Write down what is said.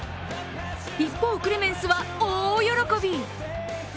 一方、クレメンスは大喜び。